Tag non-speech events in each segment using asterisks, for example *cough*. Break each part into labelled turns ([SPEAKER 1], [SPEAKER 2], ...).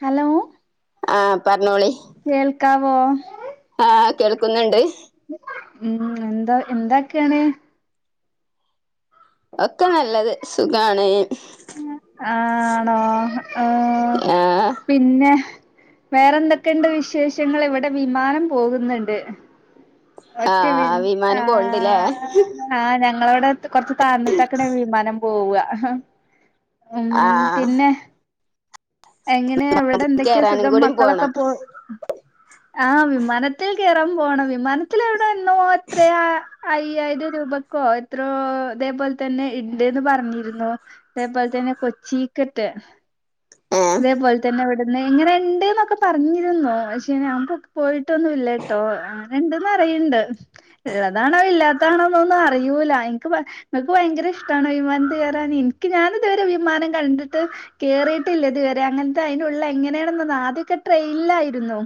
[SPEAKER 1] Hello
[SPEAKER 2] ആഹ് പറഞ്ഞോളി
[SPEAKER 1] വോ
[SPEAKER 2] ആഹ് കേൾക്കുന്നുണ്ട്
[SPEAKER 1] ഉം എന്താ എന്തൊക്കെയാണ്
[SPEAKER 2] ഒക്കെ നല്ലത് സുഖാണ്
[SPEAKER 1] ആണോ ഏ
[SPEAKER 2] ആഹ്
[SPEAKER 1] പിന്നെ വേറെന്തൊക്കെണ്ട് വിശേഷങ്ങള് ഇവിടെ വിമാനം പോകുന്നുണ്ട്
[SPEAKER 2] ആഹ്
[SPEAKER 1] ഒറ്റവിളി
[SPEAKER 2] വിമാനം പോവ്ണ്ട്ല്ലേ
[SPEAKER 1] ആഹ് ആഹ് ആ ഞാ നിങ്ങളവിടെ കുറച്ചു താന്നി തക്കണ വിമാനം പോവുക
[SPEAKER 2] ആഹ്
[SPEAKER 1] എങ്ങനെ അവിടെ എന്തൊക്കെയാ
[SPEAKER 2] കേറാനും
[SPEAKER 1] സുഖം
[SPEAKER 2] കൂടി
[SPEAKER 1] മക്കളൊക്കെ
[SPEAKER 2] പോണം
[SPEAKER 1] പോ ആഹ് വിമാനത്തിൽ കേറൻ പോണം വിമാന ത്തില എവിടെ എന്നോ എത്രയാ അയ്യായിരം രൂപക്കോ എത്രോ ഇതേ പോൽ തന്നെ ഇണ്ട്ന്ന് പറഞ്ഞിരുന്നു അതേപോലെ തന്നെ കൊച്ചിക്കറ്റ്
[SPEAKER 2] ഏഹ്
[SPEAKER 1] ഇതേപോലെ തന്നെ ഇവിടുന്ന് എങ്ങനെണ്ട് എന്നൊക്കെ പറഞ്ഞിരുന്നു പക്ഷേ നമക്ക് പോയിട്ടൊന്നും ഇല്ലെട്ടോ എണ്ടെന്നു പറയുന്നണ്ട് ഇള്ളതാനോ ഇല്ലാത്തതാണോ എന്നൊന്നും അറിയുല്ല എനക്ക് എനക്ക് ഭയങ്കര ഇഷ്ട്ടാണ് വിമാനത്തിൽ കയറാൻ ഞാൻ ഇതുവരെ വിമാനം കണ്ടിട്ട് കേറിയി പറ്റില്ല ഇതുവരെ അങ്ങനത്തെ അതിനുള്ള എങ്ങനെയാണ ആദ്യമൊക്കെ ട്രെയിൽ ആയിരുന്നു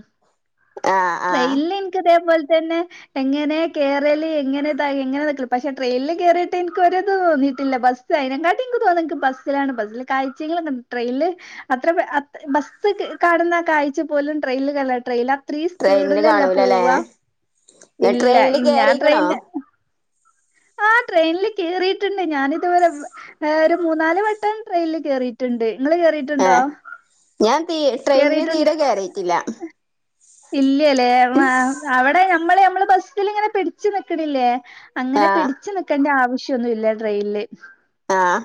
[SPEAKER 2] ആഹ് ആഹ്
[SPEAKER 1] ട്രയില് എനിക്കിതെപോല തന്നെ എങ്ങനെ കേയറല് എങ്ങനെ എങ്ങനെക്ക പക്ഷെ ട്രെയിനിൽ കേയറിയിട്ട് എനിക്ക് ഒരത് തോന്നിയിട്ടില്ല ബസ് അതിനേക്കാട്ടിൽ എനിക്ക് തോന്നുന്നു ബസിൽ ആണ് ബസിലെ കാഴ്ച *unintelligible* ട്രെയിനിൽ അത്ര അ ബസ് കാണുന്നെ കാഴ്‌ച പോലും ട്രെയിനിലുകാണില്ല ട്രെയില അത്ര
[SPEAKER 2] ട്രെയിനിന്
[SPEAKER 1] സ്പീഡിലല്ലേ
[SPEAKER 2] കാണൂലല്ലേ
[SPEAKER 1] പോവവാ
[SPEAKER 2] ങ്ങള്
[SPEAKER 1] ഇല്ല
[SPEAKER 2] ട്രെയിനില്
[SPEAKER 1] ഇന്നാൻ
[SPEAKER 2] കേറിക്ക്ണോ
[SPEAKER 1] ട്രെയില് ആ ട്രെയിനിൽ കേറിയിട്ടുണ്ട് ഞാനിതുപോലെ ഒരു മൂന്നാല് വട്ടം ട്രെയിനിൽ കേറിയിട്ടുണ്ട് നിങ്ങള് കേറിയിട്ടുണ്ടോ
[SPEAKER 2] ഏഹ് ഞാൻ തീ ട്രെയിനിന് തീരെ കയറിയിട്ടില്ല
[SPEAKER 1] ഇല്ല ല്ലേ അവിടെ നമ്മള് നമ്ള് ബസ്സില് ഇങ്ങനെ പിടിച്ചു നിക്കണില്ലേ അങ്ങനെ
[SPEAKER 2] ആഹ്
[SPEAKER 1] പിടിച്ചു നിക്കേണ്ട ആവ *unintelligible* ഒന്നും ഇല്ല ട്രെയിനില്
[SPEAKER 2] ആഹ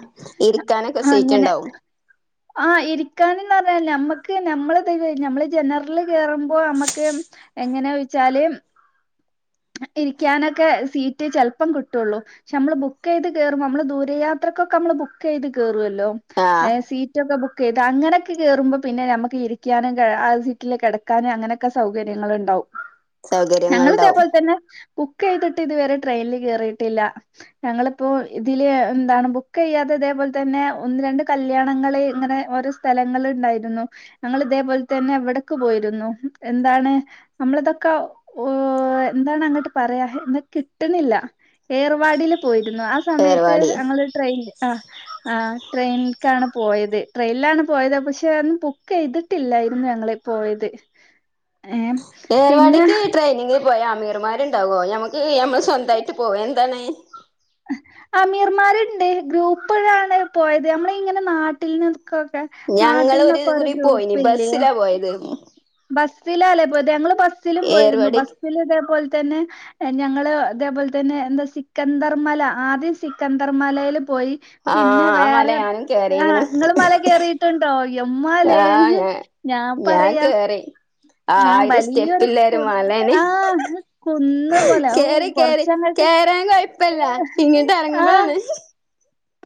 [SPEAKER 2] ഇരിക്കാനൊക്കെ
[SPEAKER 1] അങ്ങനെ
[SPEAKER 2] സീറ്റുണ്ടാവും
[SPEAKER 1] ആഹ് ഇരിക്കാനന്ന് പറഞ്ഞലു നമ്മക്ക് നമ്മള നമ്മള് ജനറൽ കേയറുമ്പോ നമ്മക്ക് എങ്ങനെന്ന് ചോയിച്ചാല് ഇരിക്കാനൊക്കെ സീറ്റ് ചെലപ്പം കിട്ടുള്ളൂ പക്ഷെ നമ്മള് ബുക്ക് ചെയ്ത് കേറും നമ്മള് ദൂരയാത്രക്കൊക്കെ നമ്മള് ബുക്ക് ചെയ്ത് കയറുവല്ലോ *inaudible*
[SPEAKER 2] ആഹ്
[SPEAKER 1] ബുക്ക് ചെയ്ത് അങ്ങനെയൊക്കെ കേയറുമ്പോ പിന്നെ നമുക്ക് ഇരിക്കാനും ആ സീറ്റില് കിടക്കാനും അങ്ങനെയൊക്കെ സൗകര്യങ്ങൾ ഉണ്ടാവും ഞങ്ങളു
[SPEAKER 2] സൗകര്യങ്ങൾണ്ടാവും
[SPEAKER 1] ഇതേപോലെ തന്നെ ബുക്ക് ചെയ്തിട്ട് ഇതുവരെ ട്രെയിനിൽ കേയറിയിട്ടില്ല ഞങ്ങളിപ്പോ ഇതില് എന്താണ് ബുക്ക് ചെയ്യാതെ അതേപോലെ തന്നെ ഒന്ന് രണ്ട് കല്യാണങ്ങളിൽ ഇങ്ങനെ ഓരോ സ്ഥലങ്ങള ഉണ്ടായിരുന്നു ഞങ്ങൾ ഇതേപോലെ തന്നെ എവിടക്ക് പോയിരുന്നു എന്താണ് നമ്മള ഇതൊക്കെ എന്താണ് അങ്ങോട്ട് പറയാ ഇ കിട്ടുന്നില്ല ഏർവാടിൽ പോയി രുന്നു ആ സമയത്ത്
[SPEAKER 2] ഏർവാടി
[SPEAKER 1] ഞങ്ങൾ ട്രെയിൻ ആ ആ ട്രെയിനക്കാണ് പോയത് ട്രെയിനിലാണ് പോയത് പക്ഷെ അന്നും ബുക്ക് ചെയ്തിട്ടില്ലായിരുന്നു ഞങ്ങള് പോയത് ഏ പിന്നെ
[SPEAKER 2] ഏർവാടക്കായി ട്രെനി പോയ അമീർമാരുണ്ടാവോ ഞമ്മക്ക് നമ്മൾ സ്വന്തമായിട്ട് പോവാ എന്താണ്
[SPEAKER 1] അമീർമാരുണ്ട് ഗ്രൂപ്പഴാണ് പോയത് നമ്മള ഇങ്ങനെ നാട്ടിൽന്ന്
[SPEAKER 2] ഞങ്ങളു ഒരു കുറി പോയിന് ബസ്സിലാ പോയത്
[SPEAKER 1] ബസ്സിലല്ലേ പോയത് ഞങ്ങള് ബസ ബസ്സിലും പോയിരുന്നു
[SPEAKER 2] ഏർവാടിക്ക്
[SPEAKER 1] ബസ്സിൽ ഇതേപോലെ തന്നെ ഞങ്ങള് അതേപോലെ തന്നെ എന്താ സിക്കന്ദർമല ആദ്യം സിക്കന്ദർമലയിലും പോയി പിന്നെ
[SPEAKER 2] ആഹ് ആ മല
[SPEAKER 1] വേറെ
[SPEAKER 2] ഞാനും
[SPEAKER 1] ഹ്
[SPEAKER 2] കേറിക്ക്ണ്
[SPEAKER 1] നിങ്ങള് മല കയറിട്ടുണ്ടോ എമാലേ
[SPEAKER 2] ആഹ് ഞാ
[SPEAKER 1] ഞാൻ പറയാ ഞാൻ
[SPEAKER 2] ആയിരം
[SPEAKER 1] വലിയൊരു
[SPEAKER 2] സ്റ്റെപ്പില്ലരും
[SPEAKER 1] കുന്ന്
[SPEAKER 2] മലേന ഹ്
[SPEAKER 1] ആഹ് കുന്ന്
[SPEAKER 2] ഹ
[SPEAKER 1] പോലെ ഔ
[SPEAKER 2] കേറി കേറി
[SPEAKER 1] കൊറച്ചങ്ങട്ട്
[SPEAKER 2] കേറാൻ കുഴപ്പല്ല ഇങ്ങിട്ട്
[SPEAKER 1] ആഹ്
[SPEAKER 2] ഇറങ്ങുമ്പോഴാണ്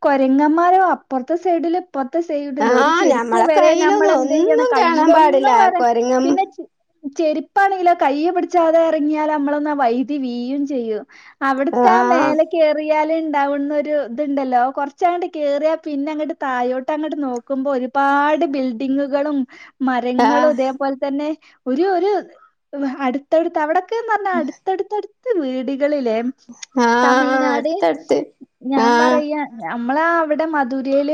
[SPEAKER 1] കൊരങ്ങന്മാരോ അപ്പുറത്തെ സൈഡില് പൊത്ത സൈഡിലു ഒരു
[SPEAKER 2] ആഹ്
[SPEAKER 1] ചെരുപ്പ്
[SPEAKER 2] ഞമ്മളെ
[SPEAKER 1] വരെ നമ്മൾ
[SPEAKER 2] കയ്യിലൊന്നും
[SPEAKER 1] എന്ത് ചെയ്യണം
[SPEAKER 2] ഒന്നും കാണാൻ പാടില്ല
[SPEAKER 1] കയ്യിലൊന്നും വരാ
[SPEAKER 2] കൊരങ്ങൻ
[SPEAKER 1] പിന്നെ ചെരുപ്പാണെങ്കിലോ കയ്യ പിടിച്ചാതെ ഇറങ്ങിയാൽ നമ്മളൊന്നാ വൈദി വീയും ചെയ്യും അവിടുത്തെ ആ
[SPEAKER 2] ആഹ്
[SPEAKER 1] മേലെ കയറി കേലിൽ ഉണ്ടാവുന്ന ഒരു ണ്ടല്ലോ കൊറച്ചാണ്ട് കേറിയ പിന്നെ അങ്ങട്ട് തായോട്ട് അങ്ങോട്ട് നോക്കുമ്പോ ഒരുപാട് ബിൽഡിങ്ങുകളും
[SPEAKER 2] ആഹ്
[SPEAKER 1] മരങ്ങളും തേപോലെ തന്നെ ഒരു ഒരു അടുത്തടുത്ത് അവിടെ ത്യം പറഞ്ഞ അടുത്തടുത്തടുത്ത് *inaudible*
[SPEAKER 2] ആ അടുത്ത അടുത്ത് ആ
[SPEAKER 1] പറയ അല്ല നമ്മളാ അവിടെ മധുരൽ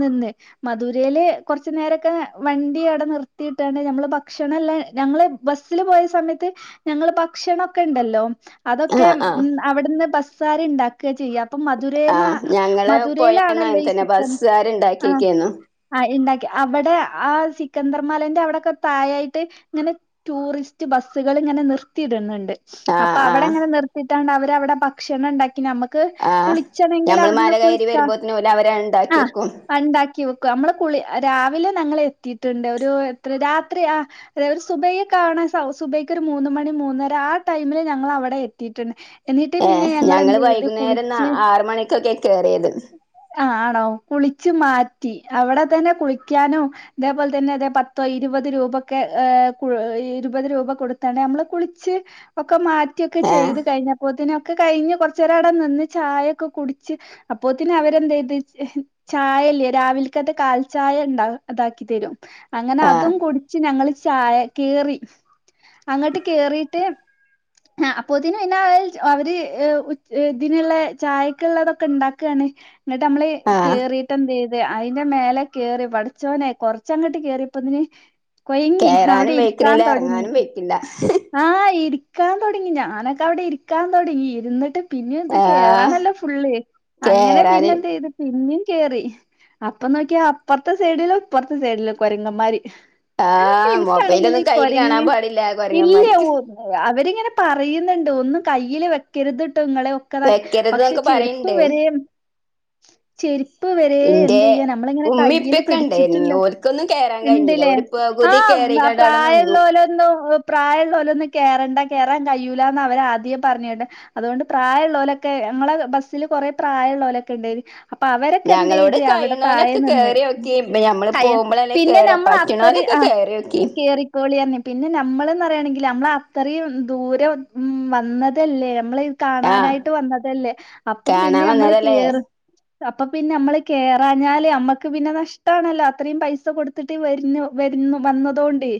[SPEAKER 1] നിന്ന് മധുരൽ കുറച്ചു നേരൊക്കെ വണ്ടി അവിടെ നിർത്തിയിട്ടാണ്ട് ഞമ്മള് ഭക്ഷണം ല്ലെ ഞങ്ങള് ബസ്സിൽ പോയ സമയത്ത് ഞങ്ങള് ഭക്ഷണൊക്കെ ഉണ്ടല്ലോ അതൊക്കെ
[SPEAKER 2] ആഹ് ആഹ്
[SPEAKER 1] മ് അവിടുന്ന് ഭക്ഷ സാരി ണ്ടാക്ക ചെയ്യാ അപ്പം
[SPEAKER 2] ആ ഞങ്ങള് പോയന്ന
[SPEAKER 1] ഈ
[SPEAKER 2] അങ്ങൻതന്നെ
[SPEAKER 1] ചിക്കൻ
[SPEAKER 2] ബസ്കാര്ണ്ടാക്കിക്കന്നു
[SPEAKER 1] അവിടെ ആ സിക്കന്ദർമലന്റെ അവിടെക്കെ താഴായിട്ട് ഇങ്ങനെ ടൂറിസ്റ്റ് ബസ്സുകൾ ഇങ്ങനെ നിർത്തിയിടുന്ന്ണ്ട് അപ്പൊ
[SPEAKER 2] ആഹ് ആഹ്
[SPEAKER 1] അവിടെങ്ങനെ നിർത്തിട്ടാണ്ട് അവര് അവിടെ ഭക്ഷണം ണ്ടാക്കി നമക്ക്
[SPEAKER 2] ആഹ്
[SPEAKER 1] കുളിച്ചണെങ്കിൽ
[SPEAKER 2] ഞമ്മള് മല
[SPEAKER 1] അവിടുന്ന്
[SPEAKER 2] കയറി
[SPEAKER 1] കുളിക്കാം
[SPEAKER 2] വരുമ്പോത്തിന് ഓല് അവരെ ഇണ്ടാക്കി
[SPEAKER 1] ആ
[SPEAKER 2] വെക്കും
[SPEAKER 1] ണ്ടാക്കി വെക്കും നമ്മള് കുളി രാവില ഞങ്ങൾ എത്തിയിട്ടുണ്ട് ഒരു എത്ര രാത്രി ആ ഒരു സുബൈെ കാണാൻ സുബൈക്ക് ഒരു മൂന്ന് മണി മൂന്നര ആ ടൈമില് ഞങ്ങൾ അവിടെ എത്തിയിട്ടുണ്ട് എന്നിട്ട്
[SPEAKER 2] ഏ
[SPEAKER 1] പിന്നെ
[SPEAKER 2] ഞങ്ങള്
[SPEAKER 1] ഞങ്ങളെന്ത് ചെയ്ത്
[SPEAKER 2] വൈകുന്നേരം എന്നാ
[SPEAKER 1] കുളിച്ച്
[SPEAKER 2] ആറ് മണി കോ ക്കെ കേയറിയത്
[SPEAKER 1] ആഹ് കുളിച്ചു മാറ്റി അവിടെ തന്നെ കുളിക്കാനും തെപോലെ തന്നെ പത്തോ ഇരുപത് രൂപ ഒക്കെ ഇരുപത് രൂപ കൊടുത്താണ്ട് നമ്മള് കുളിച്ച് ഒക്കെ മാ റ്റ ഒക്കെ
[SPEAKER 2] ഏഹ്
[SPEAKER 1] ചെയ്ത് കഴിഞ്ഞപ്പോൾത്തിന് ഒക്കെ കഴിഞ്ഞ് കൊറചെരവടെ നിന്ന് ചായൊക്കെ കുടിച്ച് അപ്പോത്തിന് അവരന്ത്‌ ചെയ്ത് ചായല്ലേ രാവിലക്കത്ത കാൽ ചായ ഇണ്ടാവും ആതാക്കി തരും അങ്ങനെ
[SPEAKER 2] ആഹ്
[SPEAKER 1] അതും കുടിച്ച് ഞങ്ങള് ചായ കേറി അങ്ങട്ട് കേറിട്ട് അപ്പൊ തിന് പിന്ന അവര് ഇതിനുള്ള ചായക്കുള്ളതൊക്കെ ഇണ്ടാക്ക ക്കാണ് എന്നിട്ട് നമ്മള്
[SPEAKER 2] ആഹ്
[SPEAKER 1] കേറിട്ട് എന്ത്‌ ചെയ് അതെ അയിന്റെ മേലെ കേറി പടച്ചോനെ കൊറച്ചങ്ങട്ട് കേറിപ്പോതിന് കൊയങ്ങി അവിടെ
[SPEAKER 2] കേറാനും
[SPEAKER 1] ഇരിക്കാൻ
[SPEAKER 2] വെയ്ക്ക്ണില്ല
[SPEAKER 1] തോടങ്ങി
[SPEAKER 2] എറങ്ങാനും വെയ്ക്കില്ല
[SPEAKER 1] ആ ഇരി ഇരിക്കാൻ തൊടങ്ങി ഞാനൊക്കെവിടെ ഇരിക്കാൻ തൊടങ്ങി ഇരുന്നിട്ട് പിന്നെ എന്താ
[SPEAKER 2] ആഹ്
[SPEAKER 1] കേറണല്ലോ ഫുള്ള് അങ്ങനെ പിന്നെ
[SPEAKER 2] കേറാന്
[SPEAKER 1] എന്ത് ചെയ്ത്‌ പി പിന്നും കേറി അപ്പൊ നോക്കിയ അപ്പുറത്തെ സൈഡിലും ഇപ്പറത്തെ സൈഡിലും കൊരങ്ങന്മാര്
[SPEAKER 2] ആഹ്
[SPEAKER 1] എനിക്കാണെങ്കിൽ
[SPEAKER 2] മൊബൈലൊന്നും
[SPEAKER 1] ഈ
[SPEAKER 2] കയ്യില് കാണാൻ
[SPEAKER 1] കൊരങ്ങ്
[SPEAKER 2] പാടില്ല
[SPEAKER 1] ഇല്ല
[SPEAKER 2] കൊരങ്ങന്മാർക്ക്
[SPEAKER 1] അവരിങ്ങനെ പറയിന് ഒന്നും കയ്യിൽ വെക്കരുത് ങ്ങളെ ഒക്കെ താ
[SPEAKER 2] വെക്കരുത്
[SPEAKER 1] പക്ഷെ
[SPEAKER 2] ന്നൊക്കെ
[SPEAKER 1] ചെരുപ്പ്
[SPEAKER 2] പറയ്ണ്ട്
[SPEAKER 1] വരേം ചെരുപ്പ് വരെ
[SPEAKER 2] ഇന്റെ
[SPEAKER 1] എന്ത് ചെയ്യാ നമ്മളിങ്ങനെ
[SPEAKER 2] ഉമ്മീം
[SPEAKER 1] കയില്
[SPEAKER 2] ഇപ്പൊക്കെ ഇണ്ടേനി
[SPEAKER 1] പിടിച്ചിട്ടുണ്ട്
[SPEAKER 2] ഓൽക്കൊന്നും കേറാൻ കഴിഞ്ഞില്ല
[SPEAKER 1] ണ്ട്ലെ
[SPEAKER 2] ഓല്
[SPEAKER 1] ആ
[SPEAKER 2] പകുതി കേറിക്കാണ്ട് അവിടെ നിന്നു
[SPEAKER 1] പ്രായള്ളലൊന്നും പ്രായള്ളോലൊന്നും കേറ മണ്ട കേറാൻ കഴൂല്ലാന്ന് അവര് ആദ്യയെ പറഞ്ഞിൻണ്ട് അതുകൊണ്ട് പ്രായമുള്ളലൊക്കെ ങ്ങളെ ബസ്സില് കൊറേ പ്രായള്ളലൊക്കെ ണ്ടായിനി അപ്പൊ അവരൊക്കെ എന്ത്
[SPEAKER 2] ഞങ്ങളോട്
[SPEAKER 1] ചെയ്ത് അവിടെ തായേ
[SPEAKER 2] കഴിയണോലൊക്കെ
[SPEAKER 1] നിന്ന്
[SPEAKER 2] കേറിയോക്കി ഞമ്മള് പോകുമ്പോളല്ലേ
[SPEAKER 1] പിന്നെ
[SPEAKER 2] കേറാ
[SPEAKER 1] നമ്മൾ അത്ര
[SPEAKER 2] പറ്റണോലൊക്കെ
[SPEAKER 1] ആ
[SPEAKER 2] കേറിയോക്കി
[SPEAKER 1] കേറിക്കോളിന്ന് പിന്നെ നമ്മൾന്ന് പറയാണെങ്കി ഇല്ല നമ്മളത്രയും ദൂരം ഉം വന്നതല്ലേ നമ്മള്
[SPEAKER 2] ആഹ്
[SPEAKER 1] കാണാനായിട്ട് വന്നതല്ലേ അപ്പം
[SPEAKER 2] കാണാൻ
[SPEAKER 1] ന്നെ മ്മൾ
[SPEAKER 2] വന്നതല്ലേ
[SPEAKER 1] കേറ് അപ്പ പിന്നെ മ്മള് കേറാഞ്ഞാല് അമ്മക്ക് പിന്നെ നഷ്ടാണല്ലോ അത്രേം പൈസ കൊടുത്തിട്ട് വർന് വർനും വന്നതോണ്ട്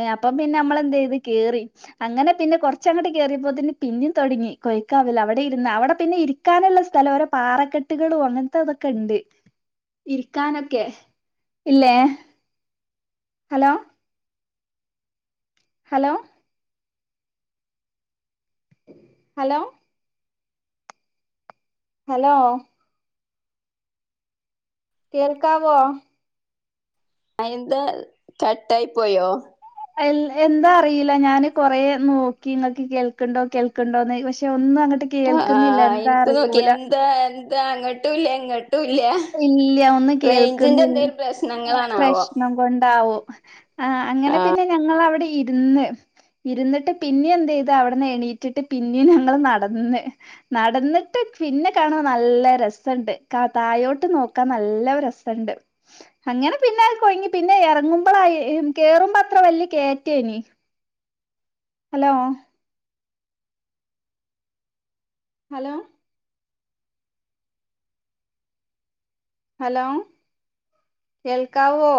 [SPEAKER 1] ഏ അപ്പം പിന്നെ നമ്മളെന്തെയ്ത് കേറി അങ്ങനെ പിന്നെ കൊർച്ചങ്ങട്ട് കേറിയപ്പോത്തിന് പിന്നിം തൊട്ങ്ങി കൊയ്ക്കാവൽ അവടെ ഇരുന്ന് അവടെ പിന്നെ ഇരി ക്കാനുള്ള സ്ഥലം ഓരോ പാറക്കെട്ടുകളും അങ്ങൻത്തെ തൊക്കെണ്ട് ഇരിക്കാനൊക്കെ ഇല്ലേ ഹലോ ഹലോ ഹലോ ഹലോ കേൾക്കാവോ
[SPEAKER 2] അയെന്താ കട്ടായി പോയോ
[SPEAKER 1] അൽ എന്താ അറീല ഞാന് കൊറേ നോക്കി ങ്ങക്ക് കേൾക്ക്ണ്ടോ കേൾക്ക്ണ്ടോന്ന് പക്ഷെ ഒന്നും അങ്ങട്ട് കേൾക്കുന്നില്ല എന്താ അറിയൂല
[SPEAKER 2] ന്താ അങ്ങട്ടും ഇല്ല ഇങ്ങ
[SPEAKER 1] ഇല്ല ഒന്നും കേൾക്കുന്നില്ല
[SPEAKER 2] എന്തേലും പ്രശ്നങ്ങളാണാവോ
[SPEAKER 1] പ്രശ്നം കൊണ്ടാവും ആ അങ്ങനെ പിന്നെ ഞങ്ങൾ അവിടെ ഇരുന്ന് ഇരുന്നിട്ട് പിന്നേം എന്തെയ്ത് അവിട്ന്ന് എണീറ്റിട്ട് പിന്നേം ഞങ്ങള് നടന്ന് നടന്ന്ട്ട് പിന്നെ കാണുമ്പ നല്ല രസണ്ട് കാ തായോട്ട് നോക്കാൻ നല്ല രസണ്ട്. അങ്ങനെ പിന്നെ കൊയ്ങ്ങി പിന്നെ എ റങ്ങുമ്പോളായി കേറുമ്പോ അത്ര വല്ല്യ കേറ്റേനി ഹലോ ഹലോ ഹലോ കേൾക്കാവോ